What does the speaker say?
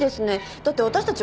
だって私たち